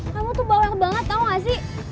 kamu tuh bawa yang banget tau gak sih